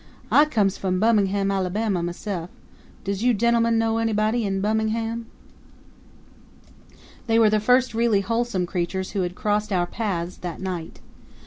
I comes from Bummin'ham, Alabama, myse'f. Does you gen'lemen know anybody in Bummin'ham?" They were the first really wholesome creatures who had crossed our paths that night.